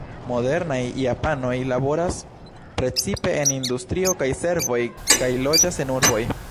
Modernaj japanoj laboras precipe en industrio kaj servoj, kaj loĝas en urboj.